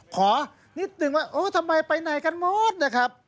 ขอนิดนึงว่าเออทำไมไปไหนกันหมดนะครับ